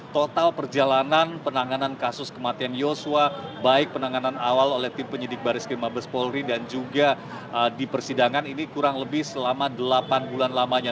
total perjalanan penanganan kasus kematian yosua baik penanganan awal oleh tim penyidik baris krim mabes polri dan juga di persidangan ini kurang lebih selama delapan bulan lamanya